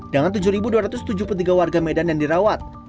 dengan tujuh dua ratus tujuh puluh tiga warga medan yang dirawat